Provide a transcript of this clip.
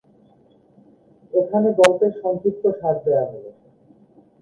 এখানে গল্পের সংক্ষিপ্তসার দেওয়া হল।